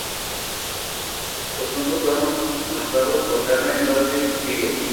Los cuentos fueron adaptados por Carmen Vázquez Vigo.